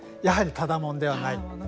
ただ者ではない。